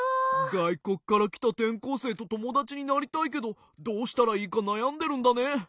がいこくからきたてんこうせいとともだちになりたいけどどうしたらいいかなやんでるんだね。